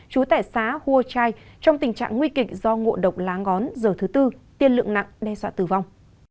chú tải xá hua chai trong tình trạng nguy kịch do ngộ độc lá ngón giờ thứ tư tiên lượng nặng đe dọa tử vong